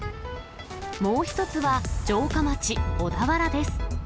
もう１つは城下町、小田原です。